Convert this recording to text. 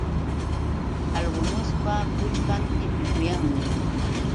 Algunuspa puchkan tipikuyanmi.